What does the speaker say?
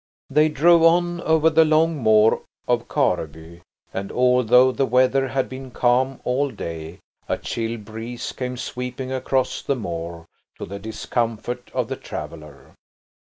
They drove on over the long moor of Kareby, and although the weather had been calm all day, a chill breeze came sweeping across the moor, to the discomfort of the traveller.